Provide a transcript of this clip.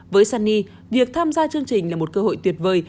với sunny việc tham gia chương trình là một cơ hội tuyệt vời